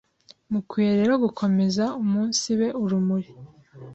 mukwiye rero gukomeze umunsibe urumuri